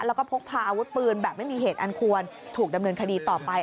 แล้วก็พกพาอาวุธปืนแบบไม่มีเหตุอันควรถูกดำเนินคดีต่อไป